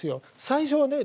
最初はね